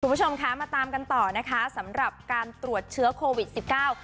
คุณผู้ชมคะมาตามกันต่อนะคะสำหรับการตรวจเชื้อโควิดสิบเก้า